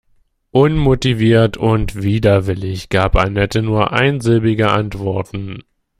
Unmotiviert und widerwillig gab Anette nur einsilbige Antworten.